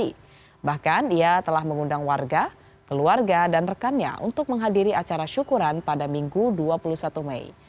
tapi bahkan ia telah mengundang warga keluarga dan rekannya untuk menghadiri acara syukuran pada minggu dua puluh satu mei